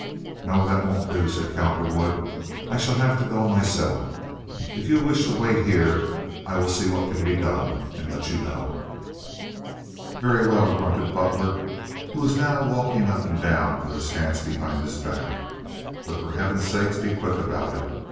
"No, that won't do," said Cowperwood. "I shall have to go myself. If you wish to wait here I will see what can be done, and let you know." "Very well," grunted Butler, who was now walking up and down with his hands behind his back. "But for Heaven's sake be quick about it.